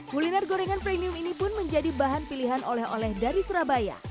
kuliner gorengan premium ini pun menjadi bahan pilihan oleh oleh dari surabaya